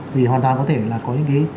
vì hoàn toàn có thể là có những cái